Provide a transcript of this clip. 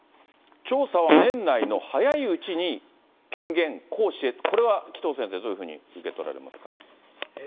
調査は年内の早いうちに権限行使へ、これは紀藤先生、どういうふうに受け取られますか。